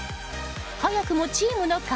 早くもチームの顔。